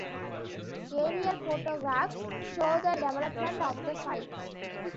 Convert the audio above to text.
Aerial photographs show the development of the site.